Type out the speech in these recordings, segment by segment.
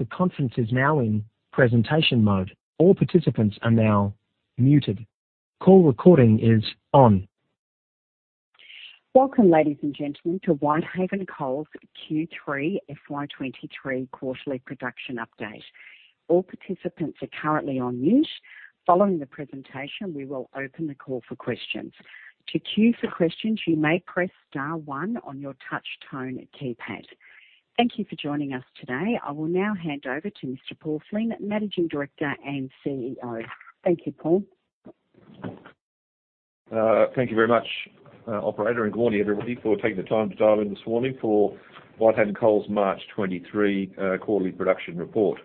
Welcome, ladies and gentlemen, to Whitehaven Coal's Q3 FY23 quarterly production update. All participants are currently on mute. Following the presentation, we will open the call for questions. To queue for questions, you may press star one on your touch tone keypad. Thank you for joining us today. I will now hand over to Mr. Paul Flynn, Managing Director and CEO. Thank you, Paul. Thank you very much, operator, good morning, everybody, for taking the time to dial in this morning for Whitehaven Coal's March 2023 quarterly production report.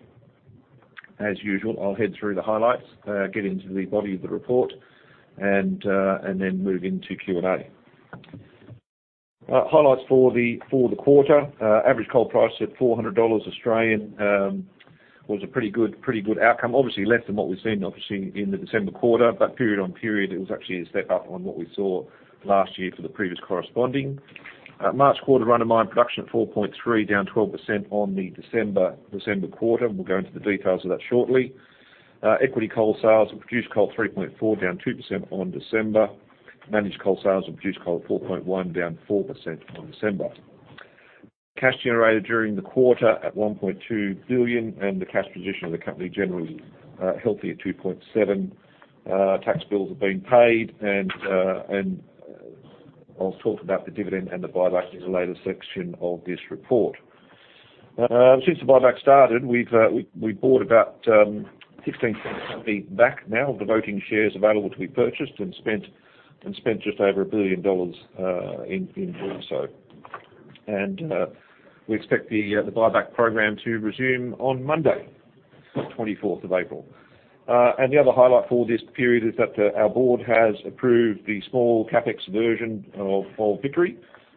As usual, I'll head through the highlights, get into the body of the report, move into Q&A. Highlights for the quarter. Average coal price at 400 Australian dollars was a pretty good outcome. Obviously less than what we've seen obviously in the December quarter, period on period, it was actually a step up on what we saw last year for the previous corresponding. March quarter run of mine production at 4.3, down 12% on the December quarter. We'll go into the details of that shortly. Equity coal sales and produced coal 3.4, down 2% on December. Managed coal sales and produced coal at 4.1, down 4% on December. Cash generated during the quarter at 1.2 billion, and the cash position of the company generally healthy at 2.7 billion. Tax bills have been paid and I'll talk about the dividend and the buyback in a later section of this report. Since the buyback started, we've bought about 15% of the back now of the voting shares available to be purchased and spent just over 1 billion dollars in doing so. We expect the buyback program to resume on Monday, 24th of April. The other highlight for this period is that our board has approved the small CapEx version of Vickery,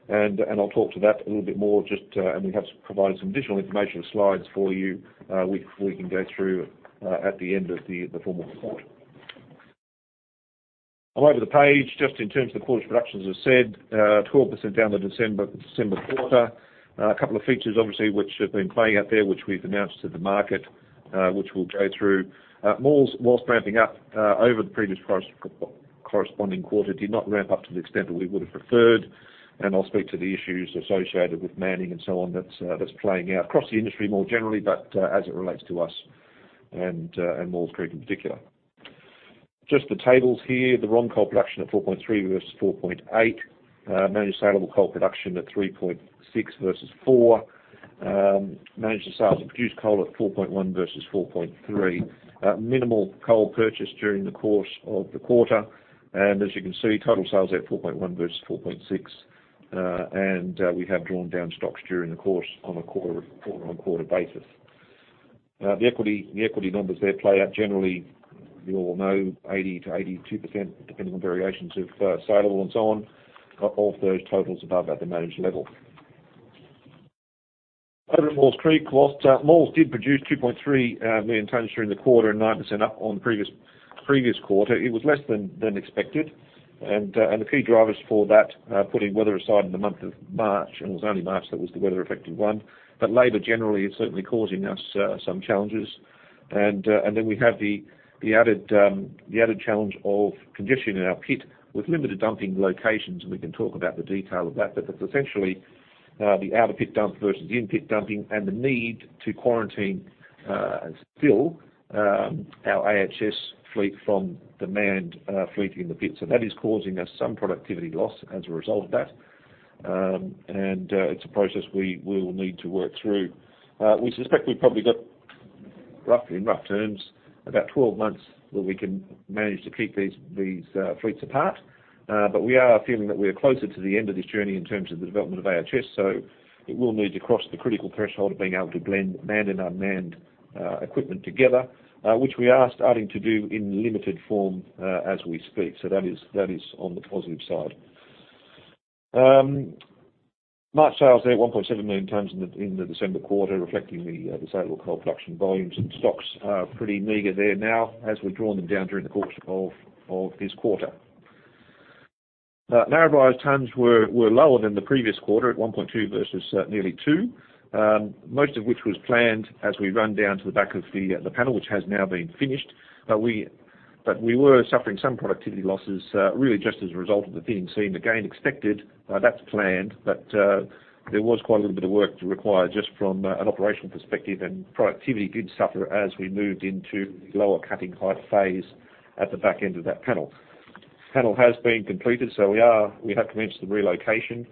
and I'll talk to that a little bit more just. We have provided some additional information slides for you. We can go through at the end of the formal report. Over the page, just in terms of the quarter's production, as I said, 12% down the December quarter. A couple of features obviously which have been playing out there, which we've announced to the market, which we'll go through. Maules, whilst ramping up over the previous corresponding quarter, did not ramp up to the extent that we would have preferred. I'll speak to the issues associated with manning and so on that's playing out across the industry more generally, but as it relates to us and Maules Creek in particular. Just the tables here, the raw coal production at 4.3 versus 4.8. Managed saleable coal production at 3.6 versus 4. Managed sales of produced coal at 4.1 versus 4.3. Minimal coal purchase during the course of the quarter. As you can see, total sales at 4.1 versus 4.6. We have drawn down stocks during the course on a quarter-on-quarter basis. The equity, the equity numbers there play out generally, you all know, 80% to 82%, depending on variations of saleable and so on. Got all of those totals above at the managed level. Over at Maules Creek, whilst Maules did produce 2.3 million tonnes during the quarter and 9% up on previous quarter, it was less than expected. A few drivers for that, putting weather aside in the month of March, and it was only March that was the weather-affected one. Labor generally is certainly causing us some challenges. Then we have the added challenge of conditioning our pit with limited dumping locations, and we can talk about the detail of that. That's essentially the out-of-pit dump versus in-pit dumping and the need to quarantine and fill our AHS fleet from the manned fleet in the pits. That is causing us some productivity loss as a result of that. It's a process we will need to work through. We suspect we've probably got roughly, in rough terms, about 12 months that we can manage to keep these fleets apart. We are feeling that we are closer to the end of this journey in terms of the development of AHS. It will need to cross the critical threshold of being able to blend manned and unmanned equipment together, which we are starting to do in limited form as we speak. That is on the positive side. March sales there, 1.7 million tonnes in the December quarter, reflecting the saleable coal production volumes. Stocks are pretty meager there now as we've drawn them down during the course of this quarter. Narrabri's tons were lower than the previous quarter at 1.2 versus nearly two, most of which was planned as we run down to the back of the panel, which has now been finished. We were suffering some productivity losses really just as a result of the thinning seam. Again, expected, that's planned, there was quite a little bit of work to require just from an operational perspective, and productivity did suffer as we moved into lower cutting height phase at the back end of that panel. Panel has been completed, so we have commenced the relocation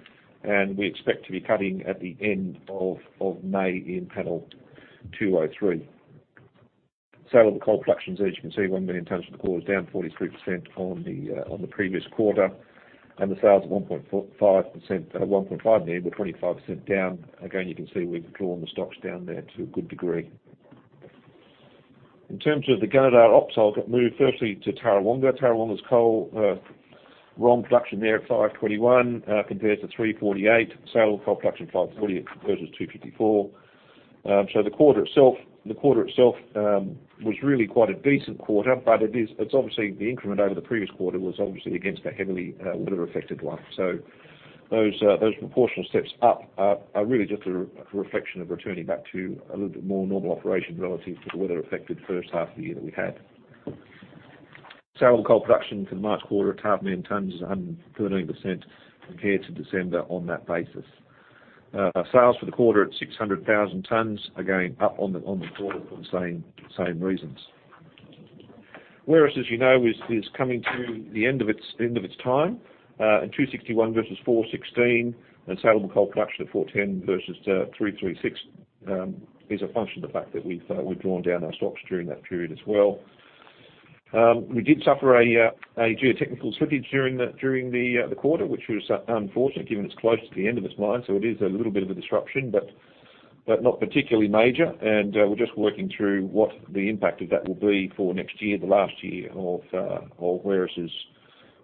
and we expect to be cutting at the end of May in panel 203. Saleable coal production, as you can see, 1 million tonnes for the quarter, down 43% on the previous quarter. The sales of 1.5 million, but 25% down. Again, you can see we've drawn the stocks down there to a good degree. In terms of the Gunnedah ops, I'll move firstly to Tarrawonga. Tarrawonga's coal raw production there at 521 compares to 348. Saleable coal production 540 versus 254. The quarter itself was really quite a decent quarter, but it's obviously the increment over the previous quarter was obviously against a heavily weather-affected one. Those proportional steps up really just a re-reflection of returning back to a little bit more normal operation relative to the weather-affected first half of the year that we had. Sale of coal production for the March quarter, at half million tons is 113% compared to December on that basis. Sales for the quarter at 600,000 tons, again, up on the quarter for the same reasons. Werris, as you know, is coming to the end of its time. 261 versus 416 and saleable coal production at 410 versus 336 is a function of the fact that we've drawn down our stocks during that period as well. We did suffer a geotechnical slippage during the quarter, which was unfortunate given it's close to the end of this mine, so it is a little bit of a disruption. Not particularly major, and we're just working through what the impact of that will be for next year, the last year of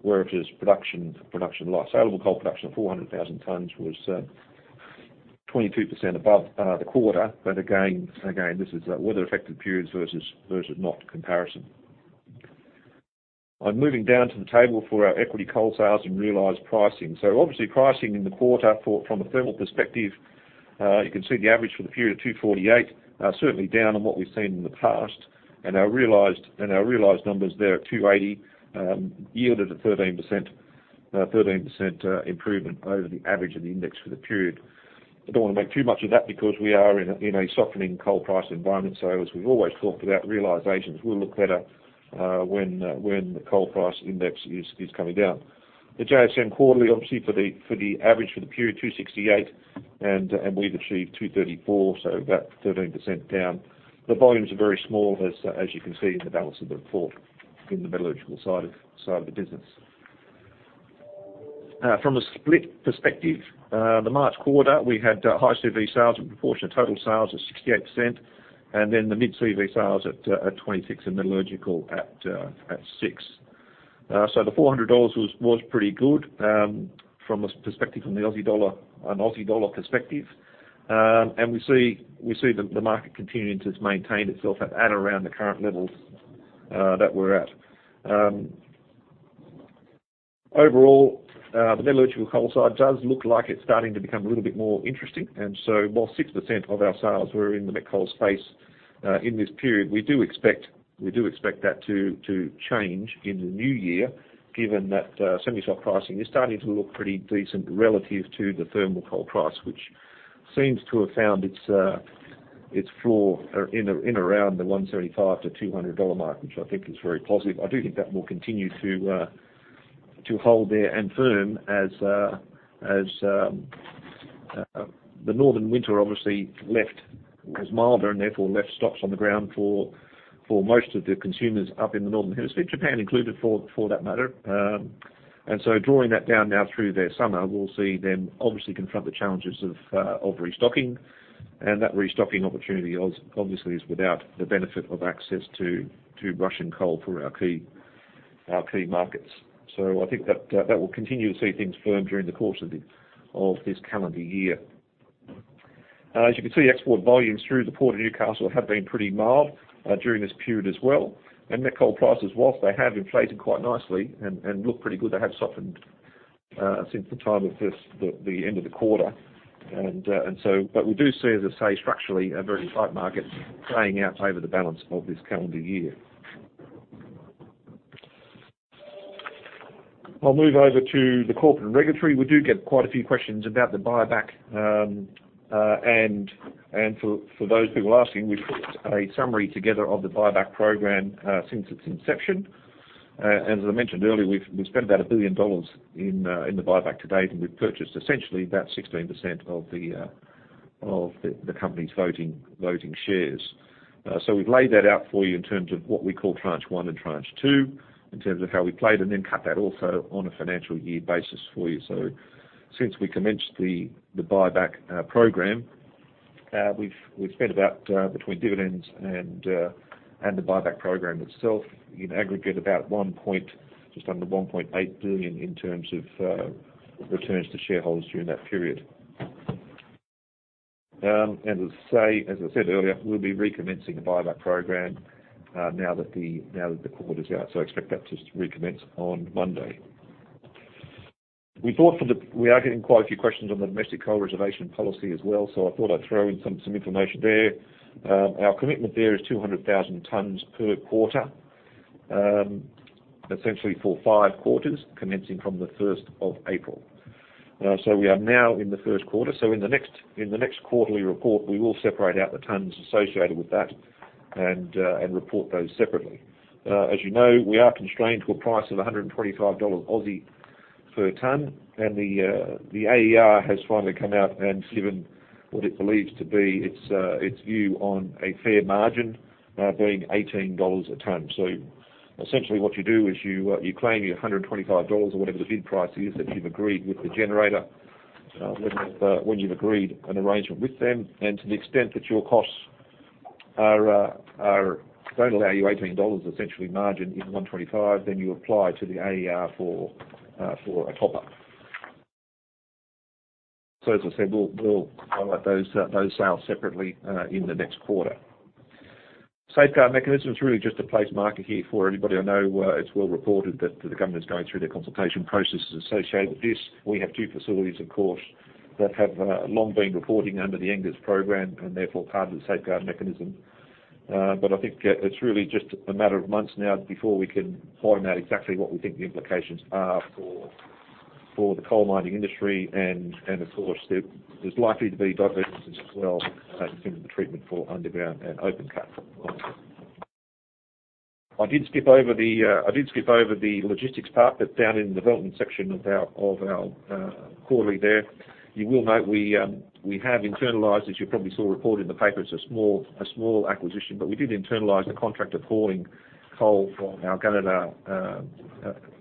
Werris's production life. Saleable coal production of 400,000 tons was 22% above the quarter. Again, this is a weather affected periods versus not comparison. I'm moving down to the table for our equity coal sales and realized pricing. Obviously pricing in the quarter from a thermal perspective, you can see the average for the period, $248. Certainly down on what we've seen in the past and our realized numbers there at 280, yielded a 13%, 13% improvement over the average of the index for the period. I don't wanna make too much of that because we are in a softening coal price environment. As we've always talked about realizations, we'll look better when the coal price index is coming down. The JSM quarterly, obviously for the average for the period, 268 and we've achieved 234, so about 13% down. The volumes are very small, as you can see in the balance of the report in the metallurgical side of the business. From a split perspective, the March quarter, we had high CV sales with proportion of total sales of 68%. The mid CV sales at 26% and metallurgical at 6%. The 400 dollars was pretty good, from a perspective on the Aussie dollar perspective. We see the market continuing to maintain itself at around the current levels that we're at. Overall, the metallurgical coal side does look like it's starting to become a little bit more interesting. While 6% of our sales were in the met coal space, in this period, we do expect that to change in the new year given that semi-soft pricing is starting to look pretty decent relative to the thermal coal price, which seems to have found its floor or in around the $175 to $200 mark, which I think is very positive. I do think that will continue to hold there and firm as the northern winter obviously left, was milder and therefore left stocks on the ground for most of the consumers up in the northern hemisphere, Japan included for that matter. Drawing that down now through their summer, we'll see them obviously confront the challenges of restocking. That restocking opportunity obviously is without the benefit of access to Russian coal for our key markets. I think that will continue to see things firm during the course of this calendar year. As you can see, export volumes through the Port of Newcastle have been pretty mild during this period as well. Met coal prices, whilst they have inflated quite nicely and look pretty good, they have softened since the time of this, the end of the quarter. But we do see, as I say, structurally a very tight market playing out over the balance of this calendar year. I'll move over to the corporate and regulatory. We do get quite a few questions about the buyback. For those people asking, we've put a summary together of the buyback program since its inception. As I mentioned earlier, we've spent about 1 billion dollars in the buyback to date, and we've purchased essentially about 16% of the company's voting shares. We've laid that out for you in terms of what we call tranche one and tranche two, in terms of how we played, and then cut that also on a financial year basis for you. Since we commenced the buyback program, we've spent about between dividends and the buyback program itself in aggregate just under 1.8 billion in terms of returns to shareholders during that period. As I said earlier, we'll be recommencing the buyback program now that the quarter's out. Expect that to recommence on Monday. We are getting quite a few questions on the domestic coal reservation policy as well, so I thought I'd throw in some information there. Our commitment there is 200,000 tons per quarter, essentially for five quarters, commencing from the 1st of April. We are now in the first quarter. In the next quarterly report, we will separate out the tons associated with that and report those separately. As you know, we are constrained to a price of 125 Aussie dollars per ton, and the AER has finally come out and given what it believes to be its view on a fair margin, being 18 dollars per ton. Essentially what you do is you claim your 125 dollars or whatever the bid price is that you've agreed with the generator, when you've agreed an arrangement with them. To the extent that your costs are, don't allow you 18 dollars essentially margin in 125, then you apply to the AER for a top-up. As I said, we'll highlight those sales separately in the next quarter. Safeguard Mechanism is really just to place marker here for everybody. I know, it's well reported that the government's going through their consultation processes associated with this. We have two facilities, of course, that have long been reporting under the NGERs program and therefore part of the Safeguard Mechanism. I think it's really just a matter of months now before we can iron out exactly what we think the implications are for the coal mining industry and of course, there's likely to be divergences as well, in terms of treatment for underground and open cut mining. I did skip over the logistics part that's down in the development section of our quarterly there. You will note we have internalized, as you probably saw reported in the paper, it's a small acquisition, but we did internalize the contract of hauling coal from our Tarrawonga,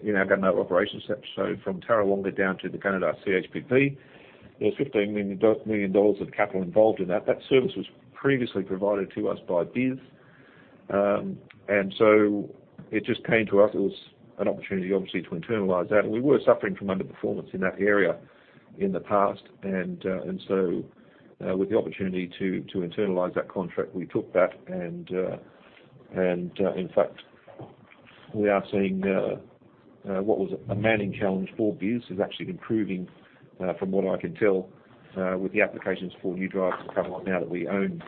in our Gunnedah operations section. From Tarrawonga down to the Gunnedah CHPP. There's $15 million of capital involved in that. That service was previously provided to us by Bis. It just came to us, it was an opportunity obviously to internalize that. We were suffering from underperformance in that area in the past. Internalize that contract, we took that. In fact, we are seeing what was a manning challenge for Bis is actually improving from what I can tell with the applications for new drivers that have come on now that we own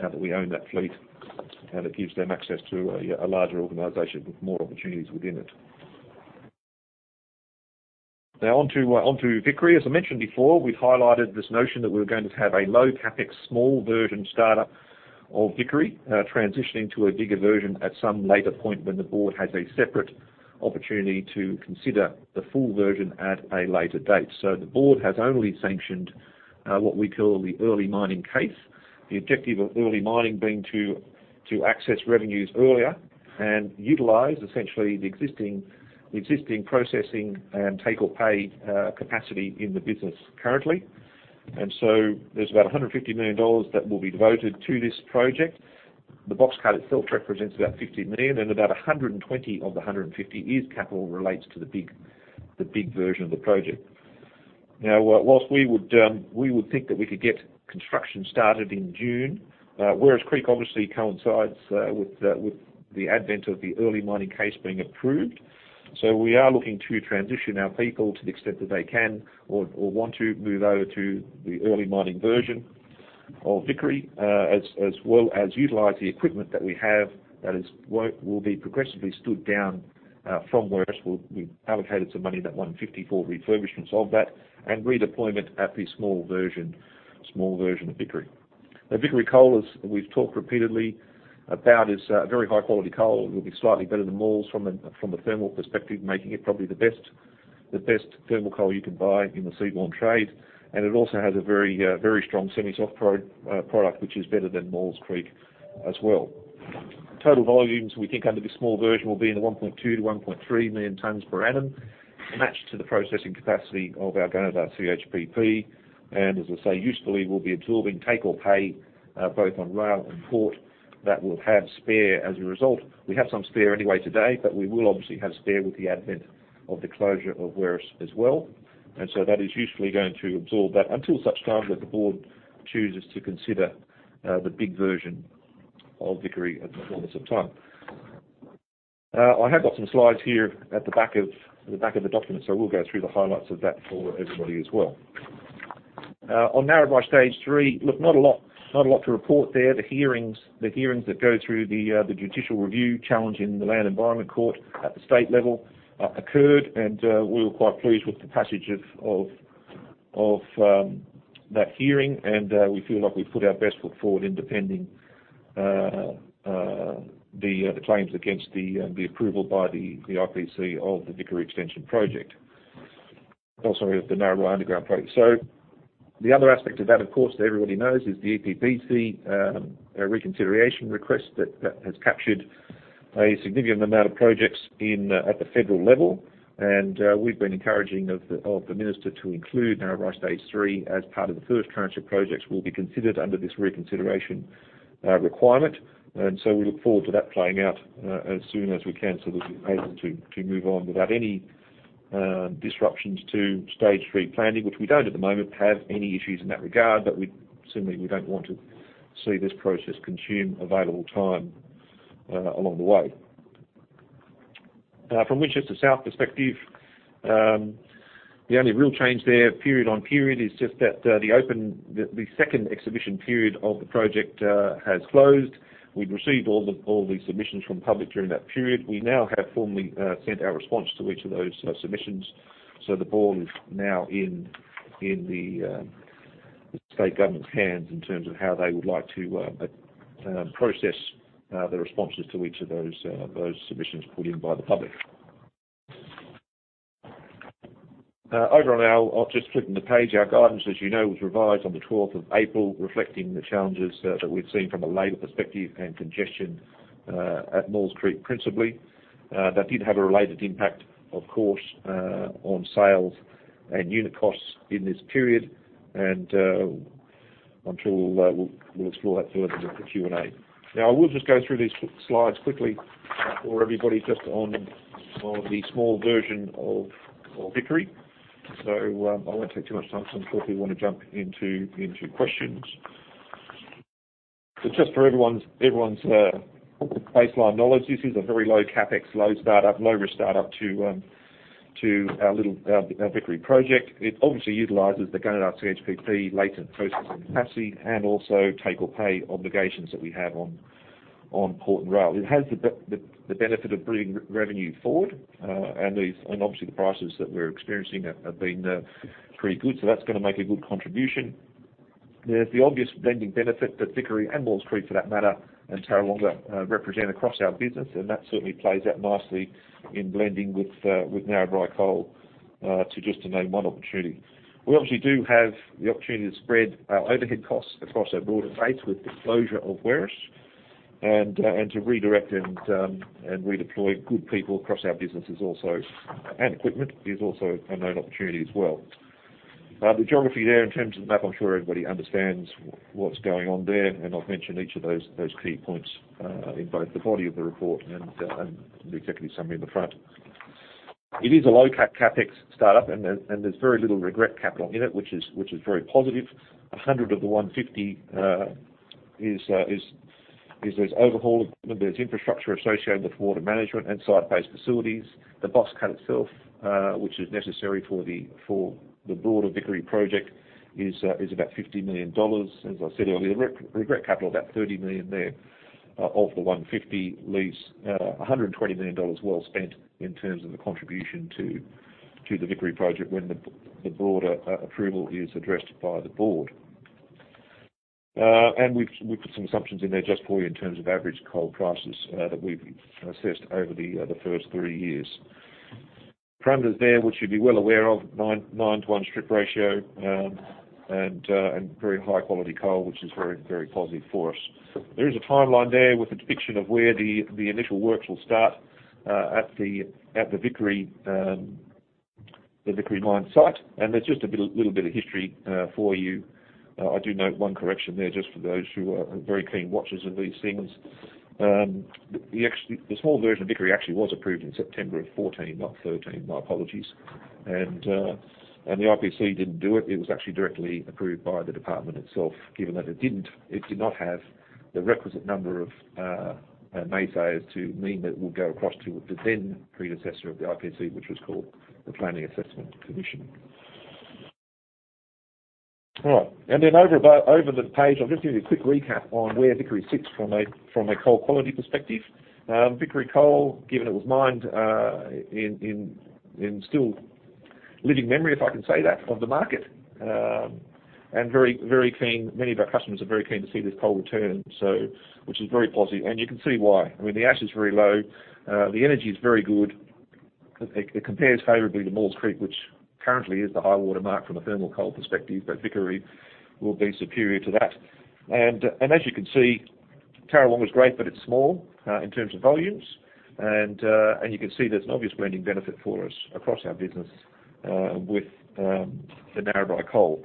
that fleet, and it gives them access to a larger organization with more opportunities within it. Now on to Vickery. As I mentioned before, we've highlighted this notion that we're going to have a low CapEx, small version startup of Vickery, transitioning to a bigger version at some later point when the board has a separate opportunity to consider the full version at a later date. The board has only sanctioned what we call the early mining case The objective of early mining being to access revenues earlier and utilize essentially the existing processing and take-or-pay capacity in the business currently. There's about 150 million dollars that will be devoted to this project. The box cut itself represents about 50 million and about 120 of the 150 is capital relates to the big version of the project. Now, whilst we would think that we could get construction started in June, Werris Creek obviously coincides with the advent of the early mining case being approved. We are looking to transition our people to the extent that they can or want to move over to the early mining version of Vickery, as well as utilize the equipment that we have that will be progressively stood down from Werris. We've allocated some money, that 150, for refurbishments of that and redeployment at the small version of Vickery. Now, Vickery Coal, as we've talked repeatedly about, is a very high-quality coal. It will be slightly better than Maules from the thermal perspective, making it probably the best thermal coal you can buy in the seaborne trade. It also has a very strong semi-soft product, which is better than Maules Creek as well. Total volumes, we think under the small version, will be in the 1.2 million-1.3 million tons per annum, matched to the processing capacity of our Gunnedah CHPP. As I say, usefully, we'll be absorbing take-or-pay both on rail and port that will have spare as a result. We have some spare anyway today, but we will obviously have spare with the advent of the closure of Werris as well. That is usefully going to absorb that until such time that the board chooses to consider the big version of Vickery at some point in some time. I have got some slides here at the back of the document, so we'll go through the highlights of that for everybody as well. On Narrabri Stage 3, look, not a lot to report there. The hearings that go through the judicial review challenging the Land and Environment Court at the state level occurred, we were quite pleased with the passage of that hearing. We feel like we've put our best foot forward in defending the claims against the approval by the IPC of the Vickery Extension project. Oh, sorry, of the Narrabri Underground project. The other aspect of that, of course, that everybody knows is the EPBC reconsideration request that has captured a significant amount of projects at the federal level. We've been encouraging of the, of the minister to include Narrabri Stage 3 as part of the first tranche of projects will be considered under this reconsideration requirement. We look forward to that playing out as soon as we can so that we're able to move on without any disruptions to Stage 3 planning, which we don't at the moment have any issues in that regard, but we simply, we don't want to see this process consume available time along the way. From Winchester South perspective, the only real change there period on period is just that the second exhibition period of the project has closed. We've received all the, all the submissions from public during that period. We now have formally sent our response to each of those submissions. The ball is now in the state government's hands in terms of how they would like to process the responses to each of those submissions put in by the public. Overall, I'll just flip the page. Our guidance, as you know, was revised on the 12th of April, reflecting the challenges that we've seen from a labor perspective and congestion at Maules Creek, principally. That did have a related impact, of course, on sales and unit costs in this period. I'm sure we'll explore that further with the Q&A. I will just go through these slides quickly for everybody just on the small version of Vickery. I won't take too much time since I'm sure people wanna jump into questions. Just for everyone's baseline knowledge, this is a very low CapEx, low startup, low-risk startup to our little Vickery project. It obviously utilizes the Gunnedah CHPP latent processing capacity and also take-or-pay obligations that we have on port and rail. It has the benefit of bringing re-revenue forward, and obviously the prices that we're experiencing have been pretty good, that's gonna make a good contribution. There's the obvious blending benefit that Vickery and Maules Creek, for that matter, and Tarrawonga represent across our business, that certainly plays out nicely in blending with Narrabri coal to just to name one opportunity. We obviously do have the opportunity to spread our overhead costs across a broader base with the closure of Werris, and to redirect and redeploy good people across our business is also, and equipment, is also a known opportunity as well. The geography there in terms of the map, I'm sure everybody understands what's going on there, and I've mentioned each of those key points in both the body of the report and the executive summary in the front. It is a low CapEx startup, and there's very little regret capital in it, which is very positive. 100 of the 150 is there's overhaul of... there's infrastructure associated with water management and site-based facilities. The box cut itself, which is necessary for the broader Vickery Project is about 50 million dollars. As I said earlier, regret capital about 30 million there, of the 150 leaves 120 million dollars well spent in terms of the contribution to the Vickery Project when the broader approval is addressed by the board. We've put some assumptions in there just for you in terms of average coal prices that we've assessed over the first three years. Parameters there, which you'd be well aware of, 9:1 strip ratio, and very high-quality coal, which is very positive for us. There is a timeline there with a depiction of where the initial works will start at the Vickery mine site, and there's just a little bit of history for you. I do note one correction there just for those who are very keen watchers of these things. The small version of Vickery actually was approved in September of 2014, not 2013. My apologies. The IPC didn't do it. It was actually directly approved by the department itself, given that it did not have the requisite number of naysayers to mean that it would go across to the then predecessor of the IPC, which was called the Planning Assessment Commission. All right. Over the page, I'll just give you a quick recap on where Vickery sits from a coal quality perspective. Vickery coal, given it was mined in still living memory, if I can say that, of the market, many of our customers are very keen to see this coal return, which is very positive, and you can see why. I mean, the ash is very low. The energy is very good. It compares favorably to Maules Creek, which currently is the high water mark from a thermal coal perspective, but Vickery will be superior to that. As you can see, Tarrawonga is great, but it's small in terms of volumes. You can see there's an obvious blending benefit for us across our business with the Narrabri coal.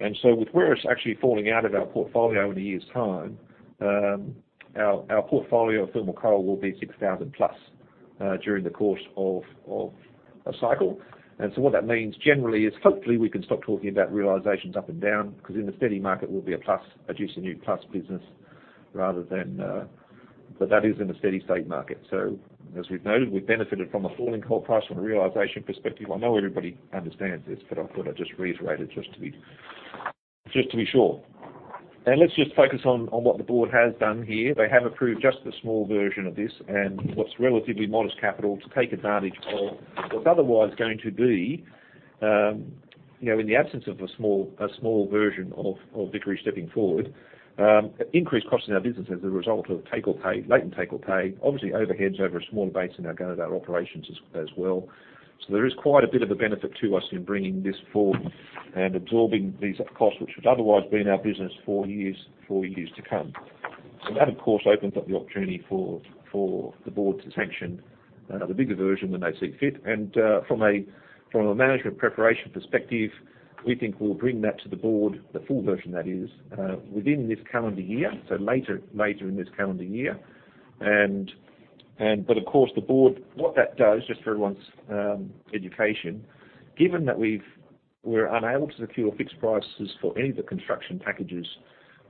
With Werris actually falling out of our portfolio in a year's time, our portfolio of thermal coal will be 6,000+ during the course of a cycle. What that means generally is hopefully we can stop talking about realizations up and down because in a steady market we'll be a plus, a gC NEWC plus business rather than. That is in a steady state market. As we've noted, we've benefited from a falling coal price from a realization perspective. I know everybody understands this, but I thought I'd just reiterate it just to be sure. Let's just focus on what the board has done here. They have approved just the small version of this and what's relatively modest capital to take advantage of what's otherwise going to be, you know, in the absence of a small version of Vickery stepping forward, increased costs in our business as a result of take-or-pay, latent take-or-pay, obviously overheads over a smaller base in our Gunnedah operations as well. There is quite a bit of a benefit to us in bringing this forward and absorbing these costs which would otherwise be in our business for years to come. That, of course, opens up the opportunity for the board to sanction the bigger version when they see fit. From a management preparation perspective, we think we'll bring that to the board, the full version that is, within this calendar year, so later in this calendar year. Of course, the board, what that does, just for everyone's education, given that we're unable to secure fixed prices for any of the construction packages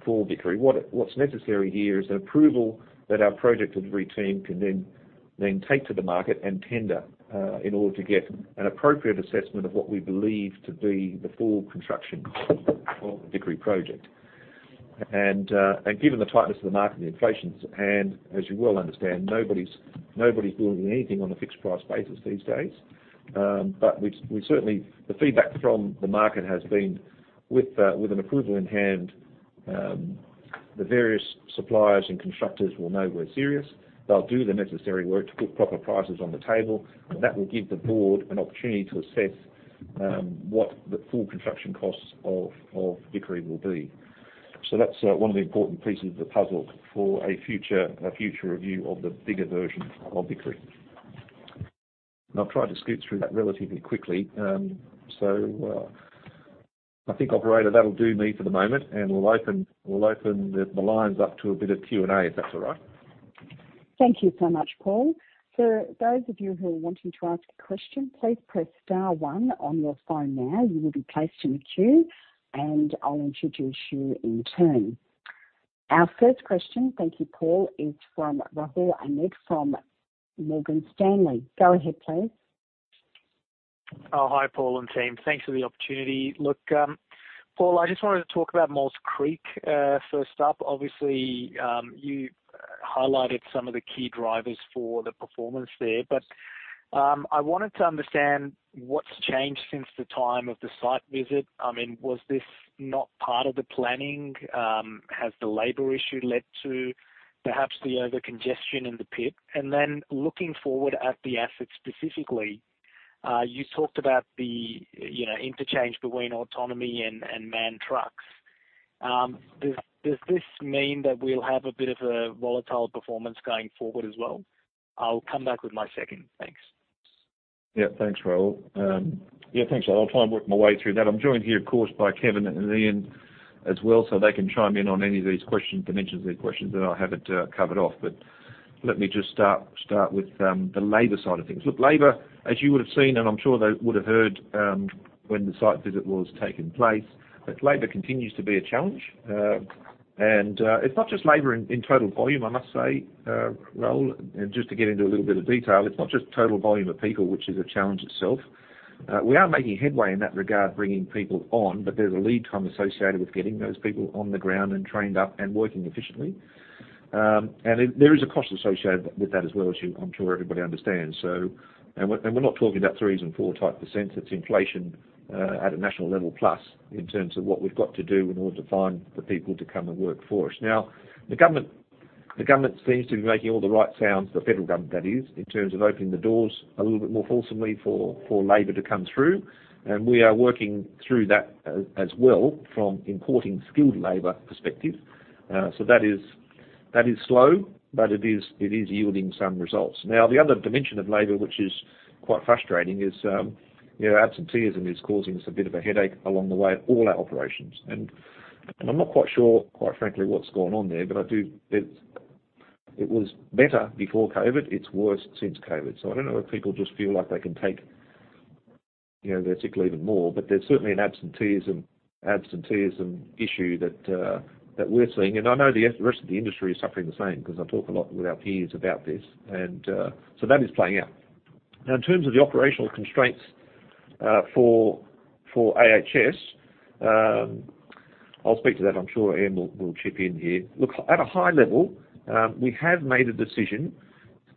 for Vickery, what's necessary here is an approval that our project delivery team can then take to the market and tender in order to get an appropriate assessment of what we believe to be the full construction of the Vickery project. Given the tightness of the market and the inflation's hand, as you well understand, nobody's doing anything on a fixed price basis these days. We've certainly... The feedback from the market has been with an approval in hand, the various suppliers and constructors will know we're serious. They'll do the necessary work to put proper prices on the table, and that will give the board an opportunity to assess what the full construction costs of Vickery will be. That's one of the important pieces of the puzzle for a future review of the bigger version of Vickery. I've tried to scoot through that relatively quickly. I think, operator, that'll do me for the moment, and we'll open the lines up to a bit of Q&A, if that's all right. Thank you so much, Paul. For those of you who are wanting to ask a question, please press star one on your phone now. You will be placed in a queue, and I'll introduce you in turn. Our first question, thank you, Paul, is from Rahul Anand from Morgan Stanley. Go ahead, please. Hi, Paul and team. Thanks for the opportunity. Paul, I just wanted to talk about Maules Creek first up. Obviously, you highlighted some of the key drivers for the performance there. I wanted to understand what's changed since the time of the site visit. I mean, was this not part of the planning? Has the labor issue led to perhaps the over congestion in the pit? Looking forward at the asset specifically, you talked about the, you know, interchange between autonomy and manned trucks. Does this mean that we'll have a bit of a volatile performance going forward as well? I'll come back with my second. Thanks. Yeah. Thanks, Rahul. Yeah, thanks. I'll try and work my way through that. I'm joined here, of course, by Kevin and Ian as well. They can chime in on any of these questions, dimensions of the questions that I haven't covered off. Let me just start with the labor side of things. Look, labor, as you would have seen, and I'm sure they would have heard, when the site visit was taking place, but labor continues to be a challenge. It's not just labor in total volume, I must say, Rahul, just to get into a little bit of detail, it's not just total volume of people, which is a challenge itself. We are making headway in that regard, bringing people on, but there's a lead time associated with getting those people on the ground and trained up and working efficiently. There is a cost associated with that as well, as I'm sure everybody understands. We're not talking about three and four type percent. It's inflation at a national level plus in terms of what we've got to do in order to find the people to come and work for us. Now, the government seems to be making all the right sounds, the federal government that is, in terms of opening the doors a little bit more fulsomely for labor to come through. We are working through that as well from importing skilled labor perspective. So that is slow, but it is yielding some results. The other dimension of labor, which is quite frustrating, is, you know, absenteeism is causing us a bit of a headache along the way of all our operations. I'm not quite sure, quite frankly, what's going on there, but I do. It was better before COVID, it's worse since COVID. I don't know if people just feel like they can take, you know, their tickle even more. But there's certainly an absenteeism issue that we're seeing. I know the rest of the industry is suffering the same because I talk a lot with our peers about this. So that is playing out. In terms of the operational constraints for AHS, I'll speak to that. I'm sure Ian will chip in here. Look, at a high level, we have made a decision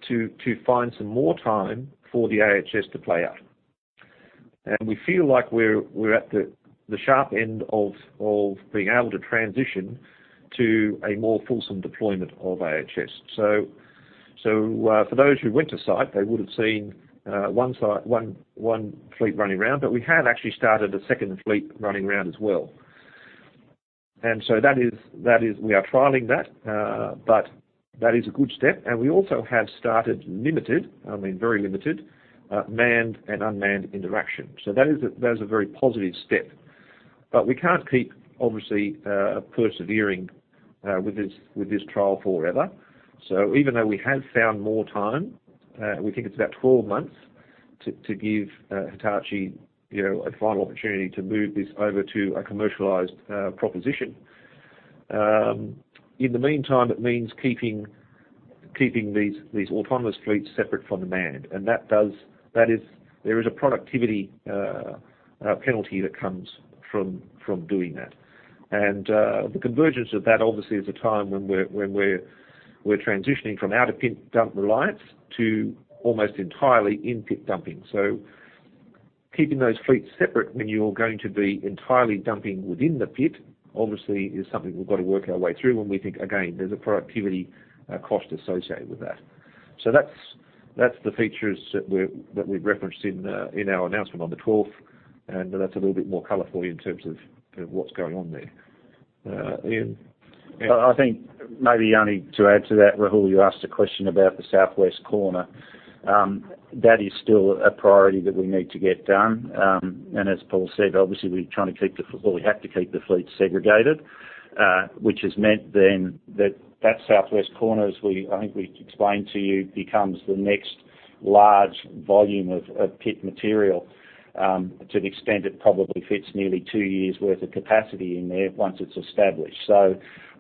to find some more time for the AHS to play out. We feel like we're at the sharp end of being able to transition to a more fulsome deployment of AHS. For those who went to site, they would have seen one fleet running around. We have actually started a second fleet running around as well. That is we are trialing that, but that is a good step. We also have started limited, I mean, very limited, manned and unmanned interaction. That is a very positive step. We can't keep obviously, persevering with this trial forever. Even though we have found more time, we think it's about 12 months to give Hitachi, you know, a final opportunity to move this over to a commercialized proposition. In the meantime, it means keeping these autonomous fleets separate from the manned. There is a productivity penalty that comes from doing that. The convergence of that obviously is a time when we're transitioning from out-of-pit dump reliance to almost entirely in-pit dumping. Keeping those fleets separate when you're going to be entirely dumping within the pit obviously is something we've got to work our way through when we think, again, there's a productivity cost associated with that. That's the features that we've referenced in our announcement on the twelfth, and that's a little bit more color for you in terms of what's going on there. Ian. I think maybe only to add to that, Rahul, you asked a question about the southwest corner. That is still a priority that we need to get done. As Paul said, obviously we're trying to keep or we have to keep the fleet segregated, which has meant then that that southwest corner, as we I think we explained to you, becomes the next large volume of pit material, to the extent it probably fits nearly two years worth of capacity in there once it's established.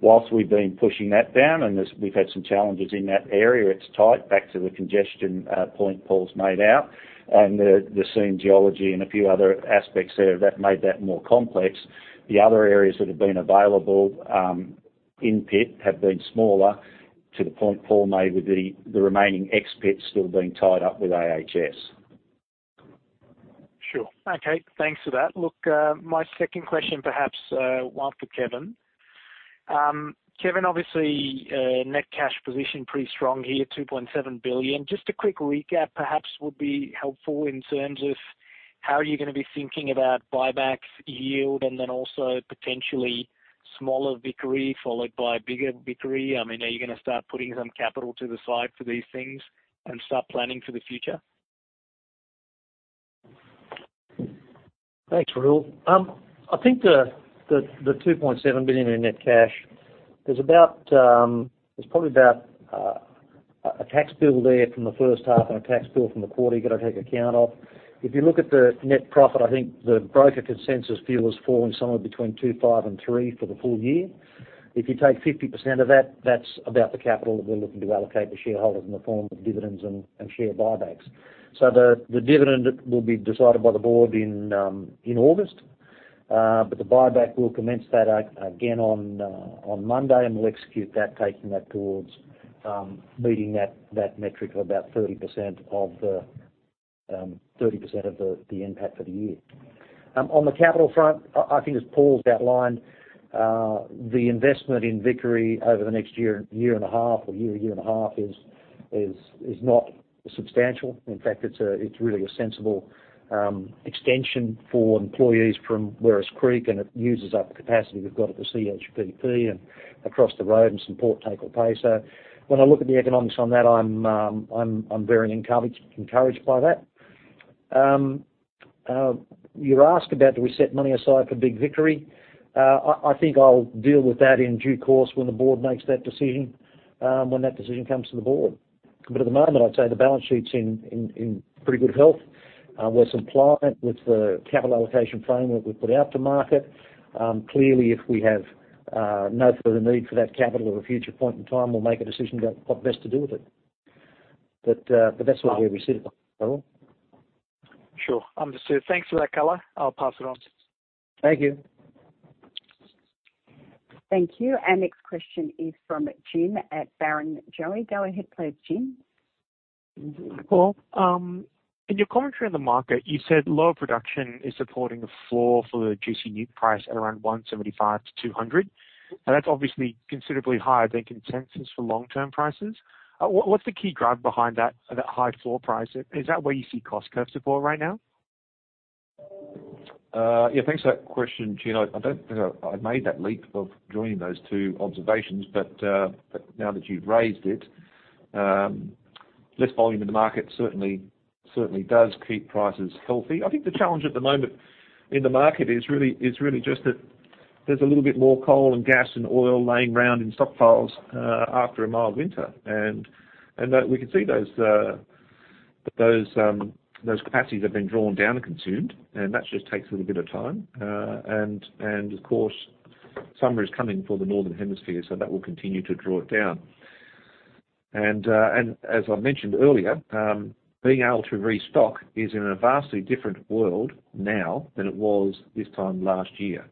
Whilst we've been pushing that down and as we've had some challenges in that area, it's tight back to the congestion point Paul's made out and the same geology and a few other aspects there that made that more complex. The other areas that have been available, in pit have been smaller, to the point Paul made with the remaining ex-pit still being tied up with AHS. Sure. Okay. Thanks for that. Look, my second question perhaps, one for Kevin. Kevin, obviously, net cash position pretty strong here, 2.7 billion. Just a quick recap perhaps would be helpful in terms of how are you gonna be thinking about buyback yield and then also potentially smaller Vickery followed by bigger Vickery. I mean, are you gonna start putting some capital to the side for these things and start planning for the future? Thanks, Rahul. I think the 2.7 billion in net cash, there's about, there's probably about a tax bill there from the first half and a tax bill from the quarter you gotta take account of. If you look at the net profit, I think the broker consensus view is falling somewhere between 2.5 billion and 3 billion for the full year. If you take 50% of that's about the capital that we're looking to allocate to shareholders in the form of dividends and share buybacks. The dividend will be decided by the board in August. The buyback, we'll commence that again on Monday, and we'll execute that, taking that towards meeting that metric of about 30% of the NPAT for the year. On the capital front, I think as Paul's outlined, the investment in Vickery over the next year and a half, or year and a half is not substantial. In fact it's really a sensible extension for employees from Werris Creek, and it uses up capacity we've got at the CHPP and across the road and some port take-or-pay. When I look at the economics on that, I'm very encouraged by that. You asked about do we set money aside for big Vickery. I think I'll deal with that in due course when the board makes that decision, when that decision comes to the board. At the moment, I'd say the balance sheet's in pretty good health. We're compliant with the capital allocation framework we've put out to market. Clearly, if we have no further need for that capital at a future point in time, we'll make a decision about what best to do with it. That's where we sit at the moment. Sure. Understood. Thanks for that color. I'll pass it on. Thank you. Thank you. Our next question is from Jim at Barrenjoey. Go ahead please, Jim. In your commentary on the market, you said lower production is supporting the floor for the gC NEWC price at around $175 to $200. That's obviously considerably higher than consensus for long-term prices. What's the key driver behind that high floor price? Is that where you see cost curve support right now? Yeah, thanks for that question, Jim. I don't think I made that leap of joining those two observations, but now that you've raised it, less volume in the market certainly does keep prices healthy. I think the challenge at the moment in the market is really just that there's a little bit more coal and gas and oil laying around in stockpiles after a mild winter. That we can see those capacities have been drawn down and consumed, and that just takes a little bit of time. Of course, summer is coming for the northern hemisphere, so that will continue to draw it down. As I mentioned earlier, being able to restock is in a vastly different world now than it was this time last year.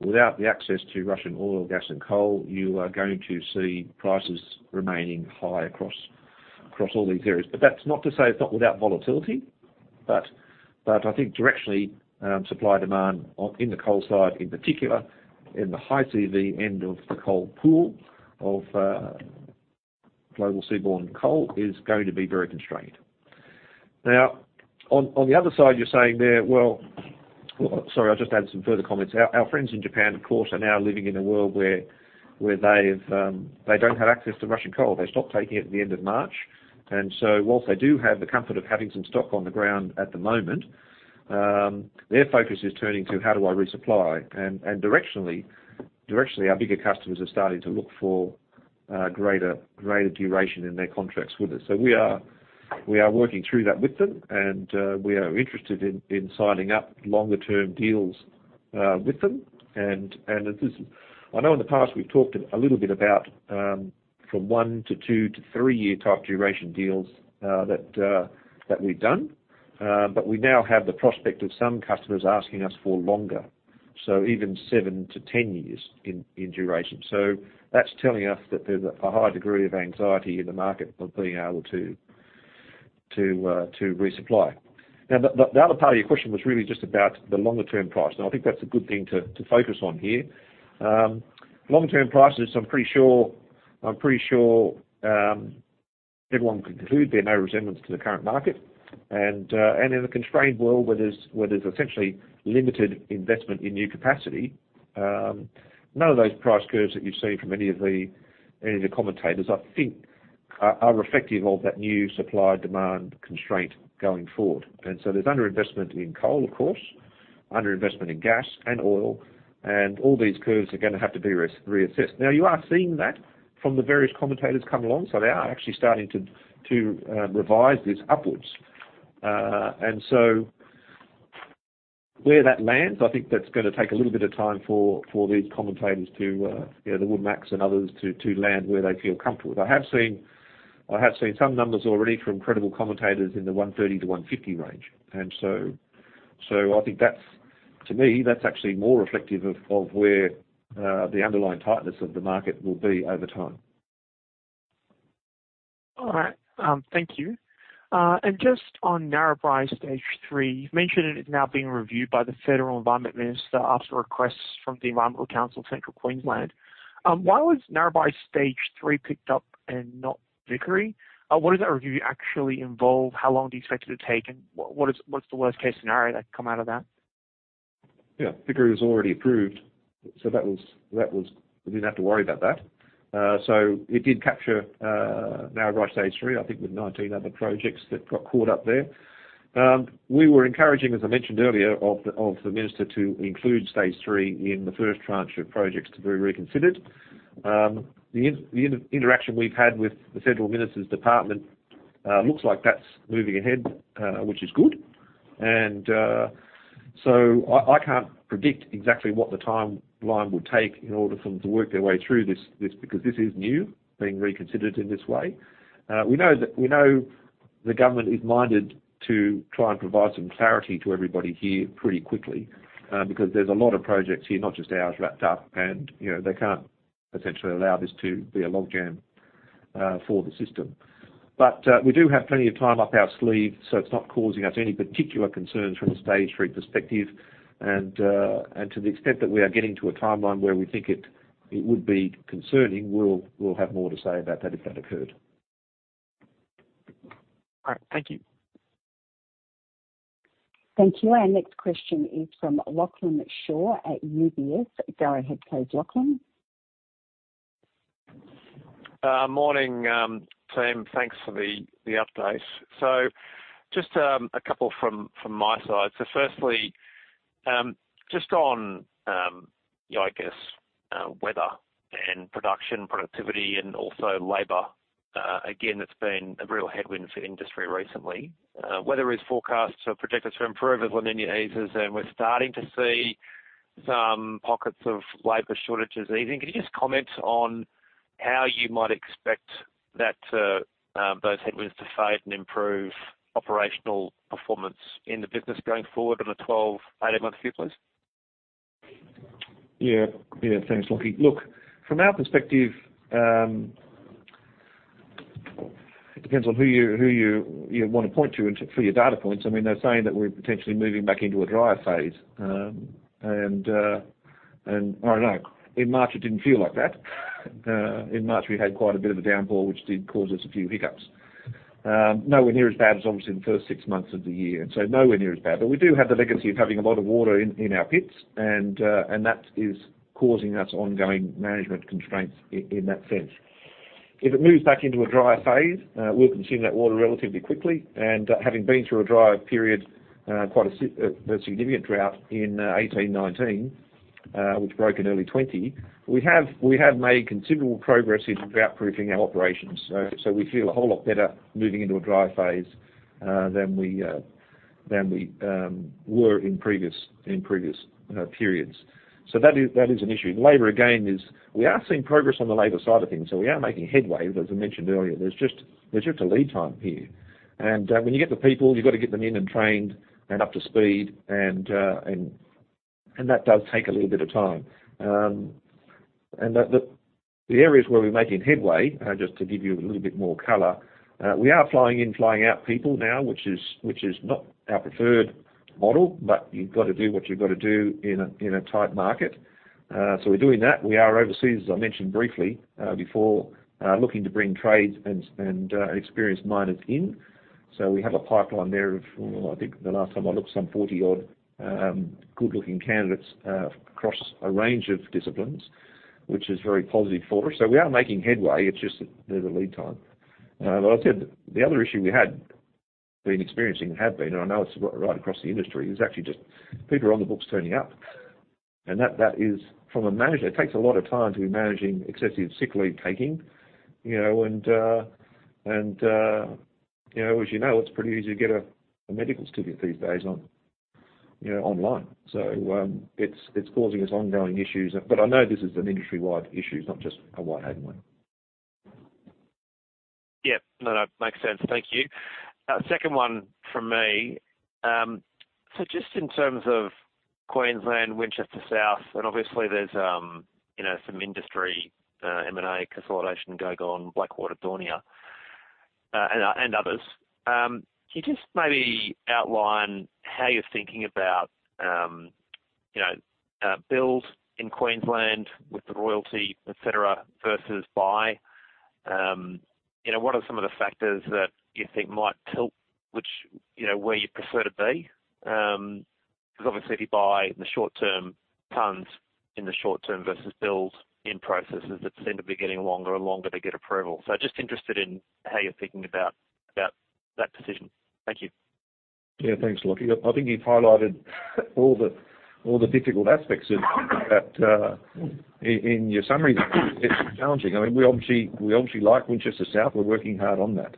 Without the access to Russian oil, gas and coal, you are going to see prices remaining high across all these areas. That's not to say it's not without volatility, but I think directionally, supply, demand in the coal side, in particular in the high CV end of the coal pool of global seaborne coal is going to be very constrained. On the other side, you're saying there, well. Sorry, I'll just add some further comments. Our friends in Japan, of course, are now living in a world where they've, they don't have access to Russian coal. They stopped taking it at the end of March. Whilst they do have the comfort of having some stock on the ground at the moment, their focus is turning to how do I resupply? Directionally, our bigger customers are starting to look for greater duration in their contracts with us. We are working through that with them, and we are interested in signing up longer term deals with them. I know in the past we've talked a little bit about, from 1 to 2 to 3-year type duration deals, that we've done. We now have the prospect of some customers asking us for longer, so even 7 to 10 years in duration. That's telling us that there's a high degree of anxiety in the market of being able to resupply. The other part of your question was really just about the longer-term price, and I think that's a good thing to focus on here. Long-term prices, I'm pretty sure, everyone can conclude bear no resemblance to the current market. In a constrained world where there's essentially limited investment in new capacity, none of those price curves that you've seen from any of the commentators, I think are reflective of that new supply/demand constraint going forward. There's underinvestment in coal, of course, underinvestment in gas and oil, and all these curves are gonna have to be reassessed. You are seeing that from the various commentators come along, so they are actually starting to revise this upwards. Where that lands, I think that's gonna take a little bit of time for these commentators to, you know, the Woodmacs and others to land where they feel comfortable. I have seen some numbers already from credible commentators in the $130 to $150 range. I think that's, to me, that's actually more reflective of where the underlying tightness of the market will be over time. All right. Thank you. Just on Narrabri Stage 3, you've mentioned it is now being reviewed by the Federal Environment Minister after requests from the Environment Council of Central Queensland. Why was Narrabri Stage 3 picked up and not Vickery? What does that review actually involve? How long do you expect it to take, and what's the worst case scenario that can come out of that? Figure was already approved. That was, we didn't have to worry about that. It did capture, now at Stage 3, I think, with 19 other projects that got caught up there. We were encouraging, as I mentioned earlier, of the Minister to include Stage 3 in the first tranche of projects to be reconsidered. The interaction we've had with the central Minister's Department, looks like that's moving ahead, which is good. I can't predict exactly what the timeline would take in order for them to work their way through this because this is new, being reconsidered in this way. We know the government is minded to try and provide some clarity to everybody here pretty quickly, because there's a lot of projects here, not just ours, wrapped up, and, you know, they can't essentially allow this to be a log jam for the system. We do have plenty of time up our sleeve, so it's not causing us any particular concerns from a Stage Three perspective. To the extent that we are getting to a timeline where we think it would be concerning, we'll have more to say about that if that occurred. All right. Thank you. Thank you. Our next question is from Lachlan Shaw at UBS. Go ahead, please, Lachlan. Morning, team. Thanks for the updates. Just a couple from my side. Firstly, just on, I guess, weather and production, productivity and also labor, again, that's been a real headwind for industry recently. Weather forecasts are projected to improve as La Niña eases, and we're starting to see some pockets of labor shortages easing. Could you just comment on how you might expect that those headwinds to fade and improve operational performance in the business going forward on a 12, 18-month view, please? Yeah. Yeah. Thanks, Lachie. Look, from our perspective, it depends on who you wanna point to it for your data points. I mean, they're saying that we're potentially moving back into a drier phase. I don't know. In March, it didn't feel like that. In March, we had quite a bit of a downpour which did cause us a few hiccups. Nowhere near as bad as obviously in the first six months of the year, nowhere near as bad. We do have the legacy of having a lot of water in our pits, and that is causing us ongoing management constraints in that sense. If it moves back into a drier phase, we'll consume that water relatively quickly. Having been through a drier period, quite a significant drought in 18, 19, which broke in early 20, we have made considerable progress in drought-proofing our operations. We feel a whole lot better moving into a drier phase than we were in previous periods. That is an issue. Labor, again, we are seeing progress on the labor side of things, so we are making headway. As I mentioned earlier, there's just a lead time here. When you get the people, you've got to get them in and trained and up to speed, and that does take a little bit of time. The areas where we're making headway, just to give you a little bit more color, we are flying in, flying out people now, which is not our preferred model, but you've got to do what you've got to do in a tight market. We're doing that. We are overseas, as I mentioned briefly, before, looking to bring trades and experienced miners in. We have a pipeline there of, I think the last time I looked, some 40-odd, good-looking candidates, across a range of disciplines, which is very positive for us. We are making headway. It's just there's a lead time. Like I said, the other issue we had been experiencing, have been, and I know it's right across the industry, is actually just people are on the books turning up. That, that is from a manager, it takes a lot of time to be managing excessive sick leave taking, you know, and, you know, as you know, it's pretty easy to get a medical certificate these days on, you know, online. It's, it's causing us ongoing issues. I know this is an industry-wide issue. It's not just a Whitehaven one. Yeah. No, no. Makes sense. Thank you. Second one from me. Just in terms of Queensland, Winchester South, and obviously there's, you know, some industry M&A consolidation going on, Blackwater, Daunia, and others. Can you just maybe outline how you're thinking about, you know, build in Queensland with the royalty, et cetera, versus buy? You know, what are some of the factors that you think might tilt which, you know, where you prefer to be? 'Cause obviously if you buy in the short term, tons in the short term versus build in processes that seem to be getting longer and longer to get approval. Just interested in how you're thinking about that decision. Thank you. Thanks, Lachie. I think you've highlighted all the difficult aspects of that in your summary. It's challenging. I mean, we obviously like Winchester South. We're working hard on that.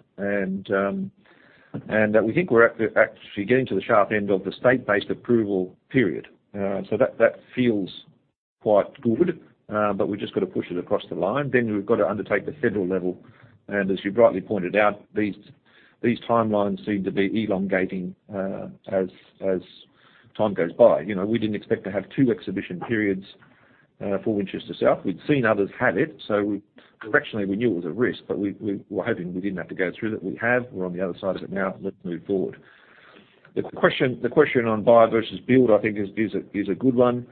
We think we're actually getting to the sharp end of the state-based approval period. So that feels quite good, but we've just got to push it across the line. We've got to undertake the federal level. As you brightly pointed out, these timelines seem to be elongating as time goes by. You know, we didn't expect to have two exhibition periods for Winchester South. We'd seen others have it, so we directionally we knew it was a risk, but we were hoping we didn't have to go through that. We have. We're on the other side of it now. Let's move forward. The question on buy versus build, I think is a good one.